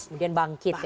kemudian bangkit ya